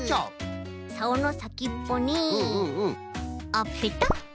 さおのさきっぽにあっペタッ。